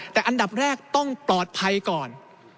แต่อันดับแรกต้องปลอดภัยก่อน